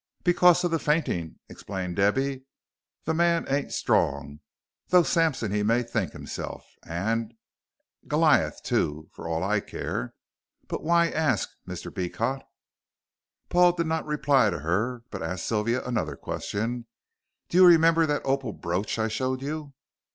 "Because of the fainting," explained Debby; "the man ain't strong, though Sampson he may think himself ah, and Goliath, too, for all I care. But why ask, Mr. Beecot?" Paul did not reply to her, but asked Sylvia another question. "Do you remember that opal brooch I showed you?"